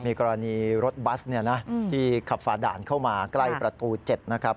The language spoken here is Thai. มีกรณีรถบัสที่ขับฝ่าด่านเข้ามาใกล้ประตู๗นะครับ